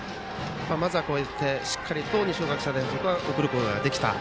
まずはこうやって二松学舎大付属が送ることができた。